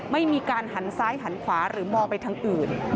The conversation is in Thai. ไม่มีการหันซ้ายหันขวาหรือมองไปทางอื่น